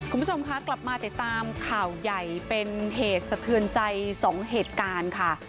คุณผู้ชมคะกลับมาติดตามข่าวใหญ่เป็นเหตุสะเทือนใจสองเหตุการณ์ค่ะ